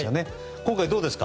今回、どうですか？